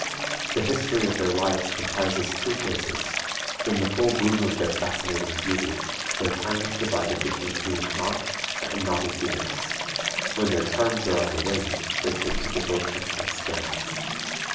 The history of their lives comprises two phases: in the full bloom of their fascinating beauty their time is divided between doing naught and naughty doings; when their charms are on the wane, they take to devotion and scandal.